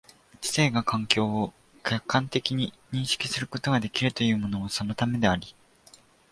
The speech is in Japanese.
知性が環境を客観的に認識することができるというのもそのためであり、